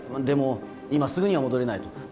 でも今すぐには戻れないと。